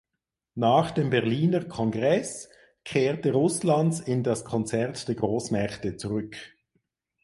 Nach dem Berliner Kongress kehrte Russlands in das Konzert der Großmächte zurück.